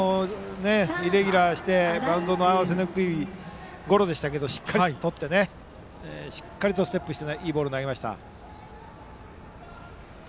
イレギュラーしてバウンドを合わせにくいゴロでしたがしっかりとって、ステップしていいボールを投げました。